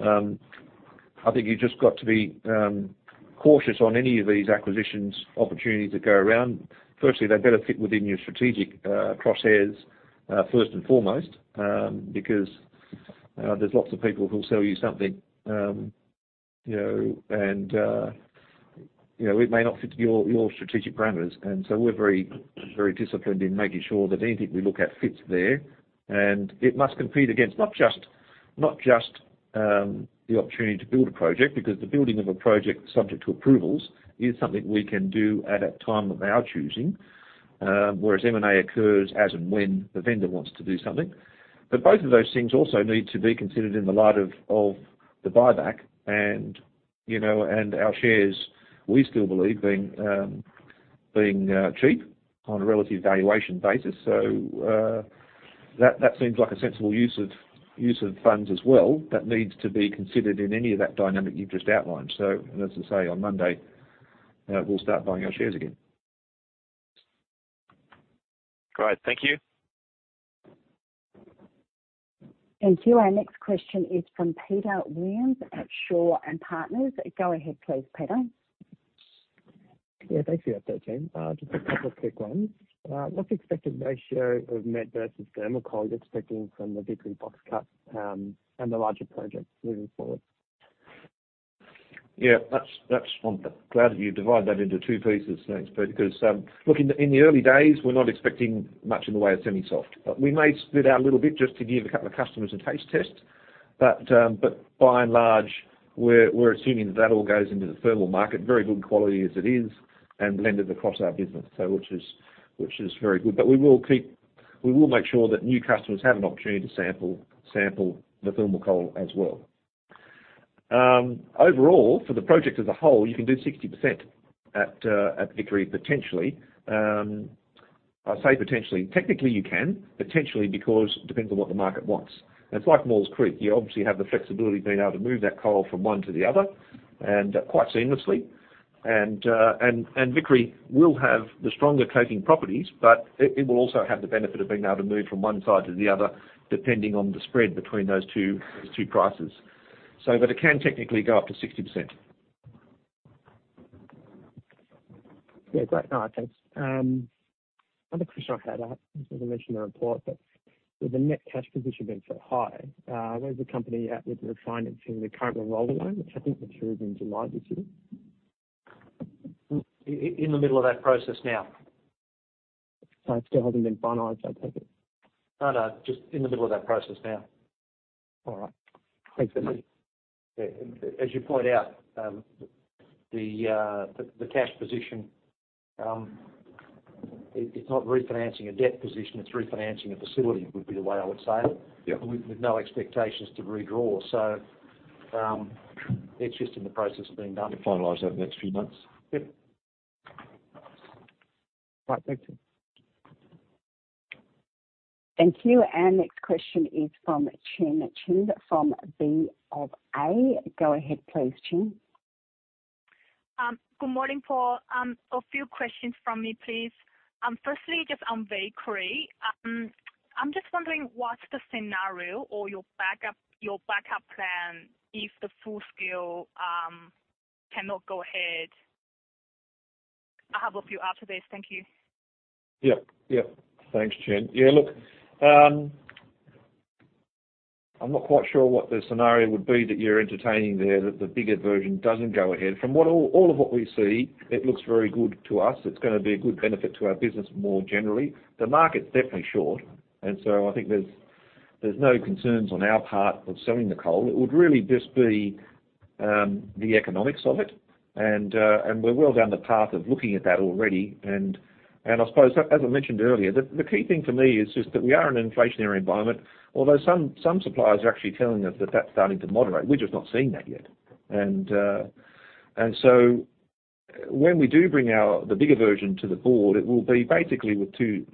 I think you've just got to be cautious on any of these acquisitions opportunities that go around. Firstly, they better fit within your strategic crosshairs, first and foremost, because there's lots of people who'll sell you something, you know, and, you know, it may not fit your strategic parameters. We're very disciplined in making sure that anything we look at fits there. It must compete against not just the opportunity to build a project, because the building of a project subject to approvals is something we can do at a time of our choosing, whereas M&A occurs as and when the vendor wants to do something. Both of those things also need to be considered in the light of the buyback and, you know, and our shares, we still believe being cheap on a relative valuation basis. That seems like a sensible use of funds as well that needs to be considered in any of that dynamic you've just outlined. As I say, on Monday, we'll start buying our shares again. Great. Thank you. Thank you. Our next question is from Peter Williams at Shaw and Partners. Go ahead please, Peter. Yeah. Thanks for your update, Jane. Just a couple of quick ones. What's the expected ratio of met versus thermal coal you're expecting from the Vickery box cut, and the larger projects moving forward? Yeah, that's, I'm glad that you divide that into two pieces. Thanks, Peter. Look, in the early days, we're not expecting much in the way of semi-soft. We may spit out a little bit just to give a couple of customers a taste test. By and large, we're assuming that all goes into the thermal market, very good quality as it is, and blended across our business. Which is very good. We will make sure that new customers have an opportunity to sample the thermal coal as well. Overall, for the project as a whole, you can do 60% at Vickery, potentially. I say potentially. Technically, you can. Potentially, because it depends on what the market wants. It's like Maules Creek. You obviously have the flexibility of being able to move that coal from one to the other, and, quite seamlessly. Vickery will have the stronger caking properties, but it will also have the benefit of being able to move from one side to the other, depending on the spread between those two prices. It can technically go up to 60%. Yeah. Great. No, thanks. Other question I had, this wasn't mentioned in the report, but with the net cash position being so high, where's the company at with refinancing the current and rolling loan? Which I think matures in July this year. In the middle of that process now. It still hasn't been finalized, I take it? No, no. Just in the middle of that process now. All right. Thanks, Flynn. Yeah. As you point out, the cash position, it's not refinancing a debt position, it's refinancing a facility, would be the way I would say it. Yeah. With no expectations to redraw. It's just in the process of being done. We finalize that in the next few months. Yeah. Right. Thanks. Thank you. Our next question is from Chen Jiang from BofA. Go ahead please, Chen. Good morning, Paul. A few questions from me, please. Firstly, just on Vickery. I'm just wondering what's the scenario or your backup plan if the full scale cannot go ahead. I have a few after this. Thank you. Yeah. Thanks, Chen. Yeah, look, I'm not quite sure what the scenario would be that you're entertaining there that the bigger version doesn't go ahead. From what all of what we see, it looks very good to us. It's gonna be a good benefit to our business more generally. The market's definitely short, I think there's no concerns on our part of selling the coal. It would really just be the economics of it, we're well down the path of looking at that already. I suppose, as I mentioned earlier, the key thing for me is just that we are in an inflationary environment. Although some suppliers are actually telling us that that's starting to moderate. We're just not seeing that yet. When we do bring our, the bigger version to the board, it will be basically with two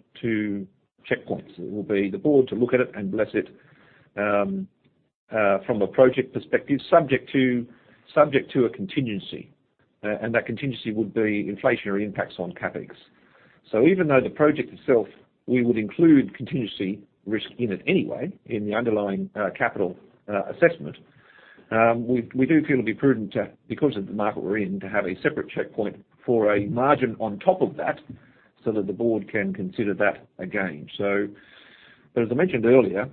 checkpoints. It will be the board to look at it and bless it from a project perspective, subject to a contingency. That contingency would be inflationary impacts on CapEx. Even though the project itself, we would include contingency risk in it anyway, in the underlying capital assessment, we do feel it'd be prudent because of the market we're in, to have a separate checkpoint for a margin on top of that, so that the board can consider that again. As I mentioned earlier,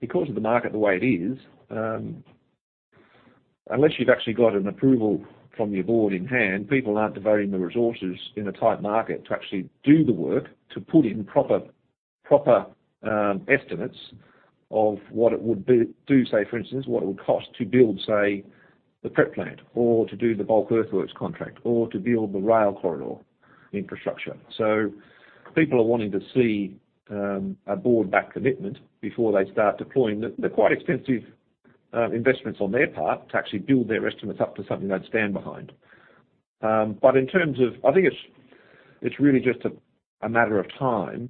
because of the market the way it is, unless you've actually got an approval from your board in hand, people aren't devoting the resources in a tight market to actually do the work to put in proper estimates of what it would be. Say for instance, what it would cost to build, say, the prep plant or to do the bulk earthworks contract or to build the rail corridor infrastructure. People are wanting to see a board-backed commitment before they start deploying the quite extensive investments on their part to actually build their estimates up to something they'd stand behind. In terms of. I think it's really just a matter of time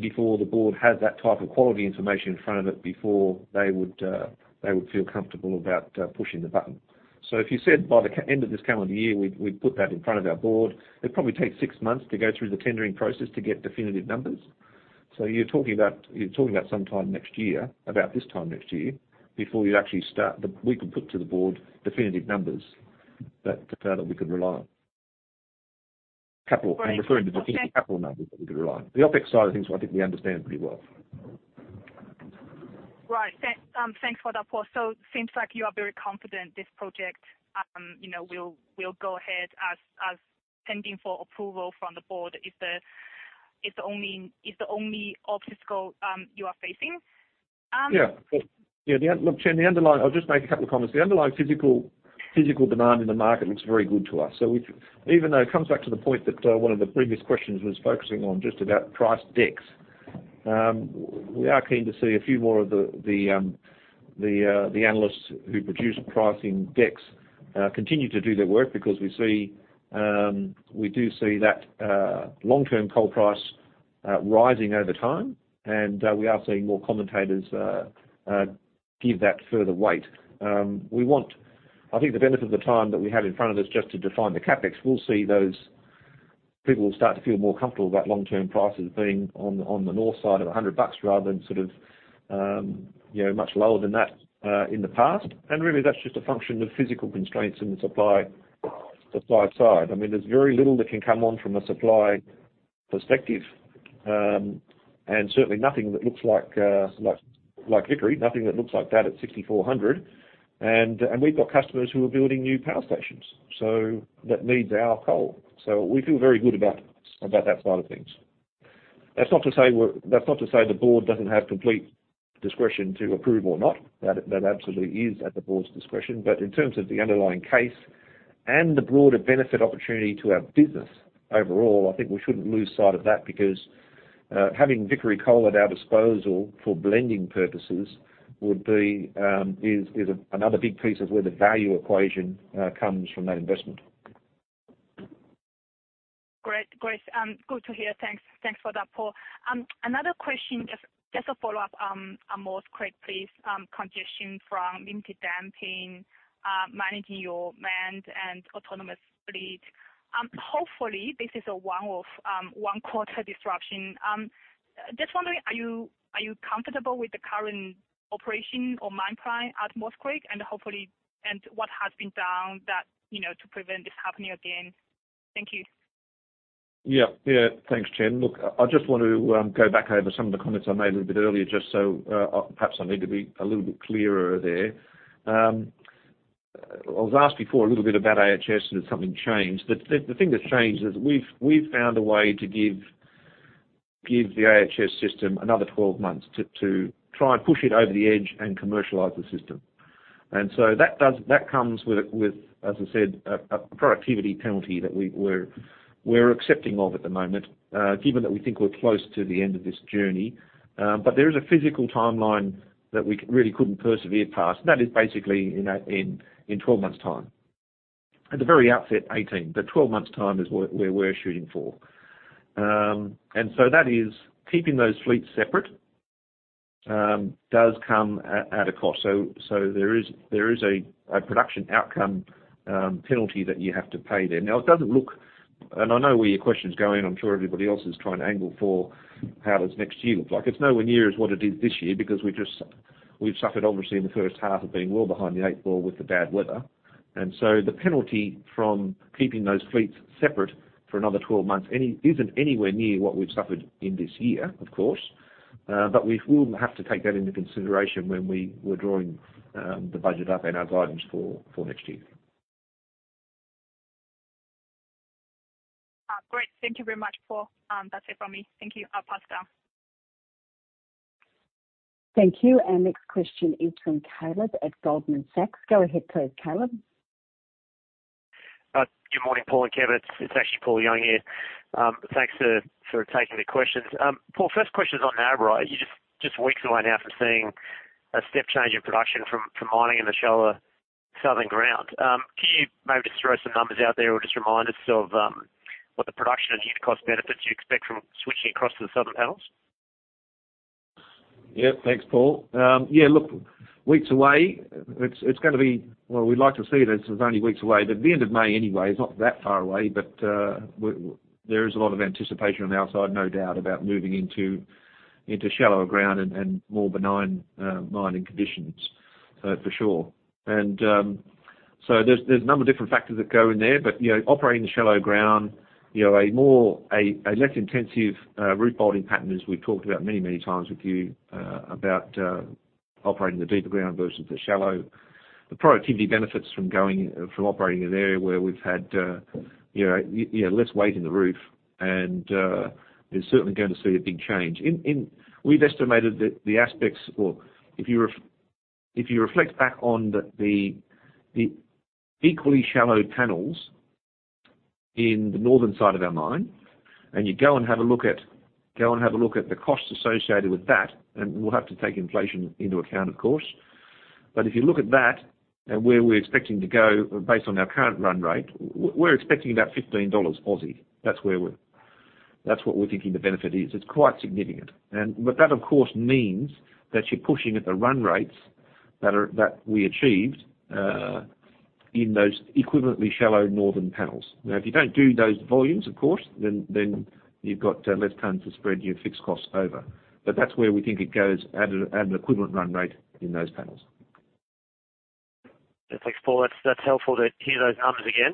before the board has that type of quality information in front of it before they would, they would feel comfortable about pushing the button. If you said by the end of this calendar year, we'd put that in front of our board, it'd probably take six months to go through the tendering process to get definitive numbers. You're talking about sometime next year, about this time next year before you actually start, we can put to the board definitive numbers that we could rely on. Capital. I'm referring to definitive capital numbers that we could rely on. The OpEx side of things, I think we understand pretty well. Right. Thanks for that, Paul. Seems like you are very confident this project, you know, will go ahead as pending for approval from the board is the only obstacle you are facing? Yeah. Look, Chen, the underlying... I'll just make a couple of comments. The underlying physical demand in the market looks very good to us. Even though it comes back to the point that one of the previous questions was focusing on just about price decks. We are keen to see a few more of the analysts who produce pricing decks continue to do their work because we see, we do see that long-term coal price rising over time, and we are seeing more commentators give that further weight. I think the benefit of the time that we have in front of us just to define the CapEx, we'll see those people start to feel more comfortable about long-term prices being on the north side of $100 rather than sort of, you know, much lower than that in the past. Really, that's just a function of physical constraints in the supply side. I mean, there's very little that can come on from a supply perspective, and certainly nothing that looks like Vickery, nothing that looks like that at 6,400. We've got customers who are building new power stations, so that needs our coal. We feel very good about that side of things. That's not to say the board doesn't have complete discretion to approve or not. That absolutely is at the board's discretion. In terms of the underlying case and the broader benefit opportunity to our business overall, I think we shouldn't lose sight of that because having Vickery Coal at our disposal for blending purposes is another big piece of where the value equation comes from that investment. Great. Good to hear. Thanks for that, Paul. Another question, just a follow-up, on Maules Creek, please. Congestion from limited damping, managing your manned and autonomous fleet. Hopefully, this is a one-off, one-quarter disruption. Just wondering, are you comfortable with the current operation or manpower at Maules Creek? What has been done that, you know, to prevent this happening again? Thank you. Yeah. Yeah. Thanks, Chen. Look, I just want to go back over some of the comments I made a little bit earlier, just so perhaps I need to be a little bit clearer there. I was asked before a little bit about IHS and if something changed. The thing that's changed is we've found a way to give the IHS system another 12 months to try and push it over the edge and commercialize the system. That comes with, as I said, a productivity penalty that we're accepting of at the moment, given that we think we're close to the end of this journey. There is a physical timeline that we really couldn't persevere past. That is basically in 12 months' time. At the very outset, 18, but 12 months' time is where we're shooting for. That is keeping those fleets separate does come at a cost. There is a production outcome penalty that you have to pay there. Now, it doesn't look, and I know where your question is going. I'm sure everybody else is trying to angle for how does next year look like. It's nowhere near as what it is this year because we've suffered obviously in the first half of being well behind the eight ball with the bad weather. The penalty from keeping those fleets separate for another 12 months isn't anywhere near what we've suffered in this year, of course. We will have to take that into consideration when we were drawing the budget up and our guidance for next year. Great. Thank you very much, Paul. That's it from me. Thank you. I'll pass down. Thank you. Our next question is from Caleb at Goldman Sachs. Go ahead, please, Caleb. Good morning, Paul and Kevin. It's actually Paul Young here. Thanks for taking the questions. Paul, first question is on Narrabri. You're just weeks away now from seeing a step change in production from mining in the shallow southern ground. Can you maybe just throw some numbers out there or just remind us of what the production and unit cost benefits you expect from switching across to the southern panels? Yeah. Thanks, Paul. Yeah, look, weeks away, it's gonna be... Well, we'd like to see it as only weeks away, but the end of May anyway is not that far away. There is a lot of anticipation on the outside, no doubt, about moving into shallower ground and more benign mining conditions for sure. So there's a number of different factors that go in there, but, you know, operating the shallow ground, you know, a less intensive roof bolting pattern as we've talked about many times with you about operating the deeper ground versus the shallow. The productivity benefits from going, from operating in an area where we've had, you know, less weight in the roof. You're certainly going to see a big change. We've estimated that the aspects. Well, if you reflect back on the equally shallow panels in the northern side of our mine, and you go and have a look at the costs associated with that, and we'll have to take inflation into account, of course. If you look at that and where we're expecting to go based on our current run rate, we're expecting about 15 dollars Aussie. That's where we're that's what we're thinking the benefit is. It's quite significant. But that, of course, means that you're pushing at the run rates that we achieved in those equivalently shallow northern panels. If you don't do those volumes, of course, then you've got less tons to spread your fixed costs over. That's where we think it goes at an equivalent run rate in those panels. Thanks, Paul. That's helpful to hear those numbers again.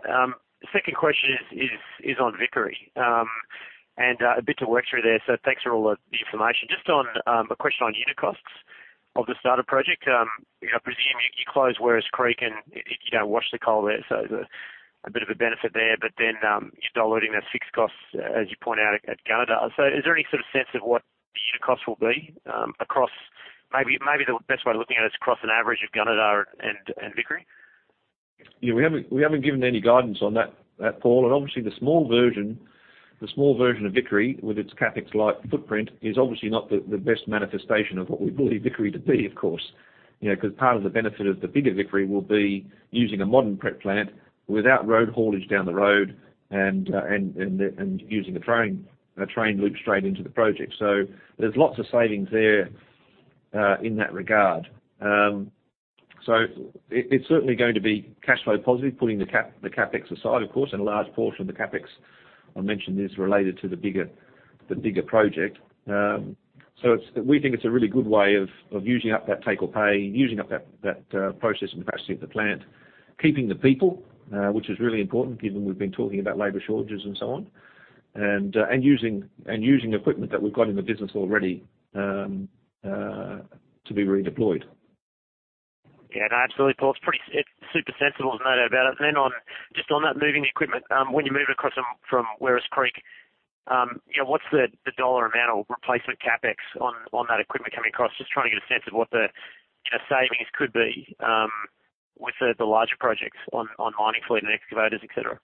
The second question is on Vickery. A bit to work through there, so thanks for all the information. Just on a question on unit costs of the starter project. I presume you close Werris Creek, and you don't wash the coal there, so a bit of a benefit there. You're diluting the fixed costs, as you point out, at Gunnedah. Is there any sort of sense of what the unit costs will be across... Maybe the best way of looking at it is across an average of Gunnedah and Vickery? We haven't, we haven't given any guidance on that, Paul. Obviously the small version of Vickery with its CapEx-light footprint is obviously not the best manifestation of what we believe Vickery to be, of course. You know, because part of the benefit of the bigger Vickery will be using a modern prep plant without road haulage down the road and using a train loop straight into the project. There's lots of savings there in that regard. It, it's certainly going to be cash flow positive, putting the CapEx aside, of course, and a large portion of the CapEx I mentioned is related to the bigger project. We think it's a really good way of using up that take or pay, using up that process and capacity of the plant, keeping the people, which is really important given we've been talking about labor shortages and so on, and using equipment that we've got in the business already to be redeployed. Yeah, no, absolutely, Paul. It's super sensible. No doubt about it. Just on that moving equipment, when you move across from Werris Creek, you know, what's the dollar amount or replacement CapEx on that equipment coming across? Just trying to get a sense of what the, you know, savings could be, with the larger projects on mining fleet and excavators, et cetera.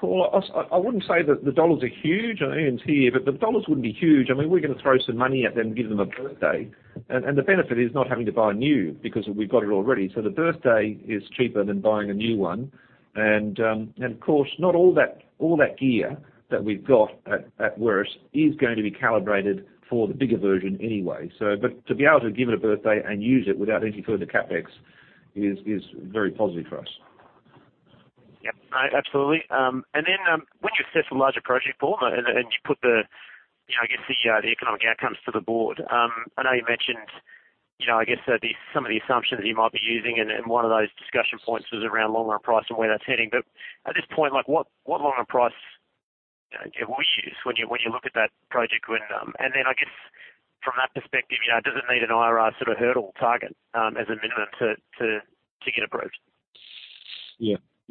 Paul, I wouldn't say that the dollars are huge. I mean, it's here but the dollars wouldn't be huge. I mean, we're gonna throw some money at them, give them a birthday. The benefit is not having to buy new because we've got it already. The birthday is cheaper than buying a new one. Of course, not all that gear that we've got at Werris is going to be calibrated for the bigger version anyway. To be able to give it a birthday and use it without any further CapEx is very positive for us. Yep. No, absolutely. When you assess a larger project, Paul, and you put the, you know, I guess, the economic outcomes to the board, I know you mentioned, you know, I guess the, some of the assumptions you might be using and one of those discussion points was around long run price and where that's heading. At this point, like what long run price, you know, would you use when you, when you look at that project when? I guess from that perspective, you know, does it need an IRR sort of hurdle target, as a minimum to get approved?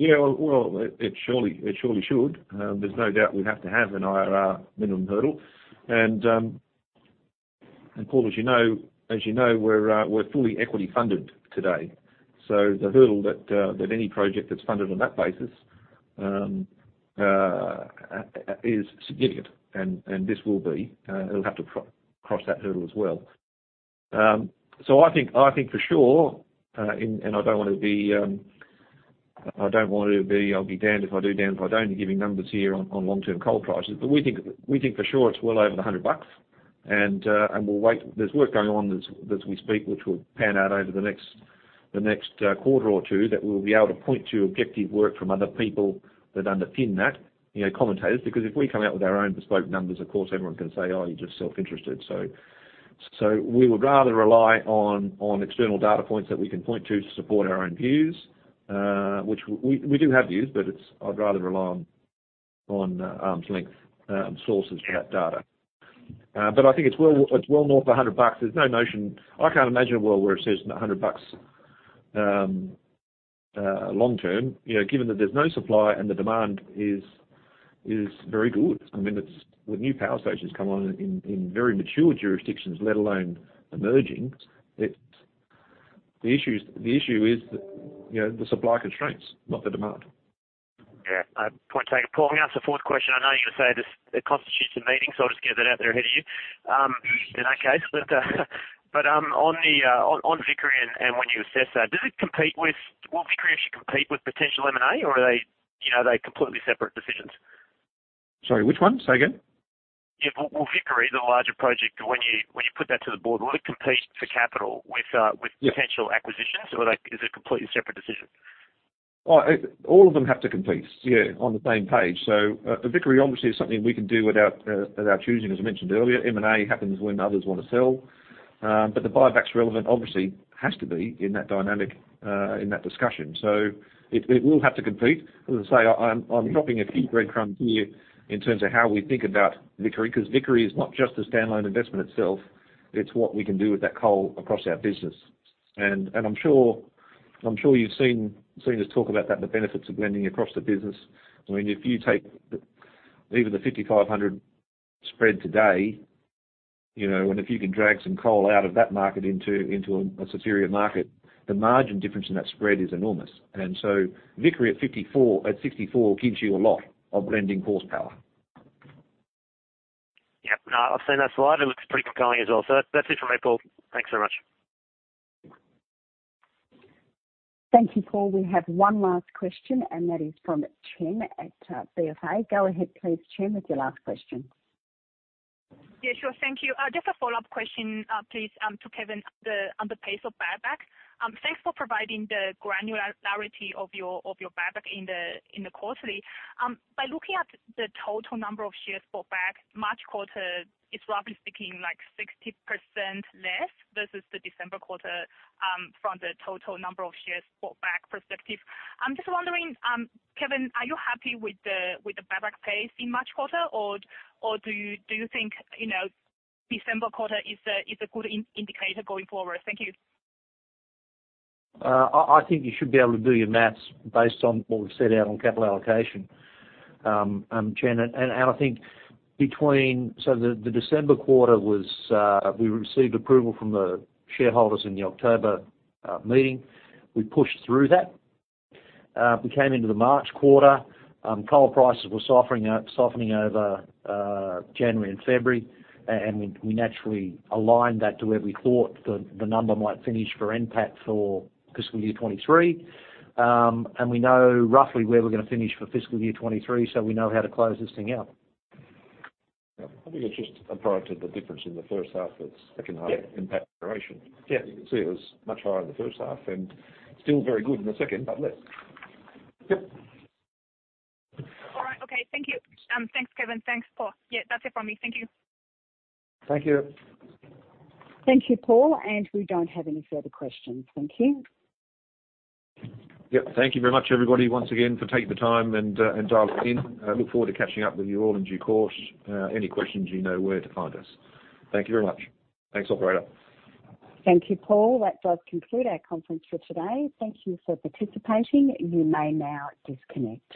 Yeah, well, it surely should. There's no doubt we'd have to have an IRR minimum hurdle. Paul, as you know, we're fully equity funded today. The hurdle that any project that's funded on that basis is significant, and this will be. It'll have to cross that hurdle as well. I think for sure, and I don't wanna be, I don't want it to be, I'll be damned if I do, damned if I don't giving numbers here on long-term coal prices. We think for sure it's well over 100 bucks, and we'll wait. There's work going on as we speak which will pan out over the next quarter or two, that we'll be able to point to objective work from other people that underpin that, you know, commentators. If we come out with our own bespoke numbers, of course everyone can say, "Oh, you're just self-interested." We would rather rely on external data points that we can point to to support our own views, which we do have views, but I'd rather rely on arm's length sources for that data. I think it's well north of $100. I can't imagine a world where it says $100 long term, you know, given that there's no supply and the demand is very good. I mean, it's with new power stations come on in very mature jurisdictions, let alone emerging. The issue is, you know, the supply constraints, not the demand. Yeah. Point taken. Paul, can I ask a fourth question? I know you would say this, it constitutes a meeting, so I'll just get that out there ahead of you. In that case. On Vickery and when you assess that, Will Vickery actually compete with potential M&A or are they, you know, are they completely separate decisions? Sorry, which one? Say again. Yeah. Will Vickery, the larger project, when you put that to the board, will it compete for capital with... Yeah. -potential acquisitions or like, is it completely separate decision? All of them have to compete, yeah, on the same page. The Vickery obviously is something we can do without choosing, as I mentioned earlier. M&A happens when others wanna sell. The buyback's relevant, obviously has to be in that dynamic, in that discussion. It will have to compete. As I say, I'm dropping a few breadcrumbs here in terms of how we think about Vickery, 'cause Vickery is not just a standalone investment itself, it's what we can do with that coal across our business. I'm sure, I'm sure you've seen us talk about that, the benefits of blending across the business. I mean, if you take even the $5,500 spread today, you know, if you can drag some coal out of that market into a superior market, the margin difference in that spread is enormous. Vickery at $64 gives you a lot of blending horsepower. Yep. No, I've seen that slide. It looks pretty compelling as well. That's it from me, Paul. Thanks very much. Thank you, Paul. We have one last question. That is from Chen at BofA. Go ahead please, Chen, with your last question. Sure. Thank you. Just a follow-up question, please, to Kevin on the pace of buyback. Thanks for providing the granularity of your buyback in the quarterly. By looking at the total number of shares bought back March quarter, it's roughly speaking like 60% less versus the December quarter, from the total number of shares bought back perspective. I'm just wondering, Kevin, are you happy with the buyback pace in March quarter or do you think, you know, December quarter is a good indicator going forward? Thank you. I think you should be able to do your math based on what we've set out on capital allocation, Jen. The December quarter was, we received approval from the shareholders in the October meeting. We pushed through that. We came into the March quarter. Coal prices were softening over January and February. We naturally aligned that to where we thought the number might finish for NPAT for fiscal year 2023. We know roughly where we're gonna finish for fiscal year 2023, so we know how to close this thing out. Yeah. I think it's just a product of the difference in the first half versus second half- Yeah.... in that duration. Yeah. You can see it was much higher in the first half and still very good in the second, but less. Yep. All right. Okay, thank you. Thanks, Kevin. Thanks, Paul. Yeah, that's it from me. Thank you. Thank you. Thank you, Paul. We don't have any further questions. Thank you. Yep. Thank you very much everybody once again for taking the time and dialing in. I look forward to catching up with you all in due course. Any questions, you know where to find us. Thank you very much. Thanks, operator. Thank you, Paul. That does conclude our conference for today. Thank you for participating. You may now disconnect.